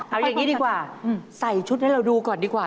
เอาอย่างนี้ดีกว่าใส่ชุดให้เราดูก่อนดีกว่า